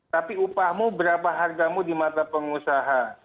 tapi upahmu berapa hargamu di mata pengusaha